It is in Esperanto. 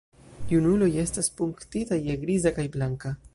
Junuloj estas punktitaj je griza kaj blanka.